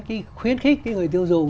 khi khuyến khích người tiêu dùng